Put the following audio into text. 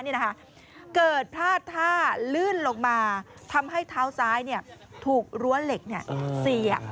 เนี่ยนะคะเกิดพลาดท่าลื่นลงมาทำให้เท้าซ้ายเนี่ยถูกหลวะเหล็กเนี่ยเสีย